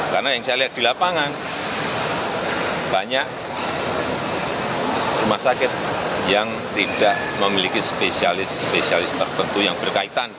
karena yang saya lihat di lapangan banyak rumah sakit yang tidak memiliki spesialis spesialis tertentu yang berkaitan